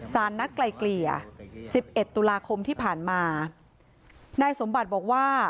นัดไกลเกลี่ยสิบเอ็ดตุลาคมที่ผ่านมานายสมบัติบอกว่า